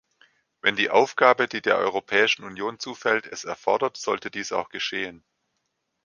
Wenn die Aufgabe, die der Europäischen Union zufällt, es erfordert, sollte dies auch geschehen.